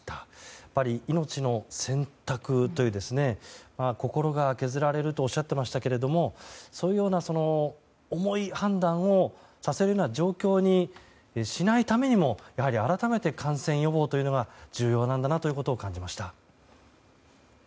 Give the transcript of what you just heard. やっぱり、命の選択というのは心が削られるとおっしゃってましたがそういう重い判断をさせるような状況にしないためにも、やはり改めて感染予防というのが重要なんだなということを感じました。